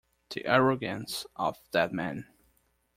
The arrogance of that man.